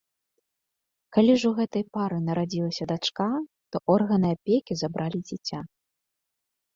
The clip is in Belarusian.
Калі ж у гэтай пары нарадзілася дачка, то органы апекі забралі дзіця.